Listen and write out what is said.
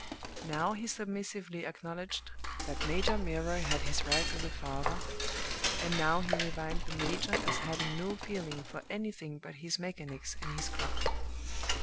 Now he submissively acknowledged that Major Milroy had his rights as a father, and now he reviled the major as having no feeling for anything but his mechanics and his clock.